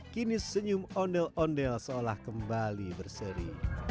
kini senyum ondel ondel seolah kembali berseri